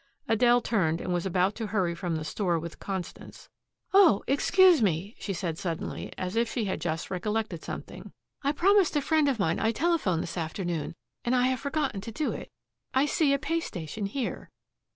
Adele turned and was about to hurry from the store with Constance. "Oh, excuse me," she said suddenly as if she had just recollected something, "I promised a friend of mine I'd telephone this afternoon, and I have forgotten to do it. I see a pay station here."